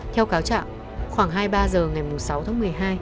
theo cáo trạng khoảng hai mươi ba h ngày sáu tháng một mươi hai